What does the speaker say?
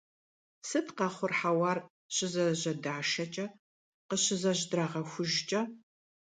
Сыт къэхъур хьэуар щызэжьэдашэкӀэ, къыщызэжьэдрагъэхужкӀэ?